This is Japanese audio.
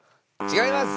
違います。